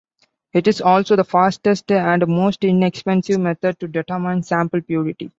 It is also the fastest and most inexpensive method to determine sample purity.